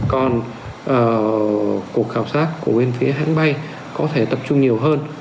còn cuộc khảo sát của bên phía hãng bay có thể tập trung nhiều hơn